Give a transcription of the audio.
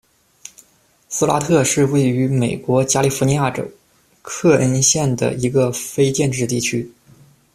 斯拉特是位于美国加利福尼亚州克恩县的一个非建制地区。